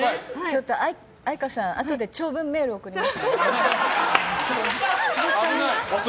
愛花さん、あとで長文メール送ります。